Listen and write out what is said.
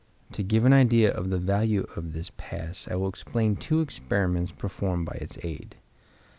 To give an idea of the value of this pass I will explain two experiments performed by its aid.